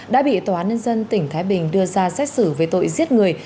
đã bị tòa án nhân dân tỉnh thái bình đưa ra xét xử về tội giết người